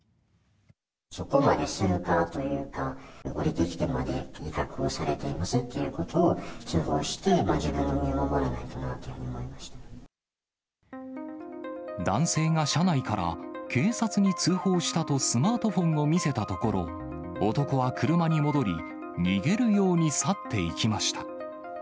そこまでするかというか、降りてきてまで威嚇をされていますということを通報して、自分の男性が車内から、警察に通報したとスマートフォンを見せたところ、男は車に戻り、逃げるように去っていきました。